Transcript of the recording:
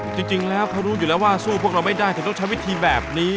จริงแล้วเขารู้อยู่แล้วว่าสู้พวกเราไม่ได้ถึงต้องใช้วิธีแบบนี้